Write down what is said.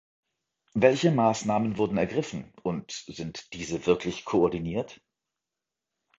Welche Maßnahmen wurden ergriffen, und sind diese wirklich koordiniert?